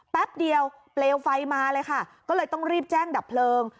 แป๊บเดียวเปลวไฟมาเลยค่ะก็เลยต้องรีบแจ้งดับเพลิง